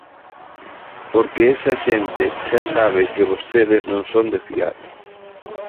Porque esa xente xa sabe que vostedes non son de fiar.